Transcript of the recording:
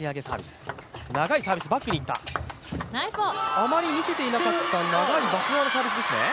あまり見せていなかった長いバック側のサービスですね。